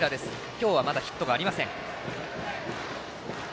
今日はまだヒットがありません。